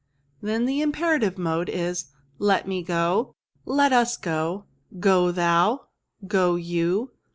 " Then the imperative mode is, Let me go. Let us go. Go thou. Go you.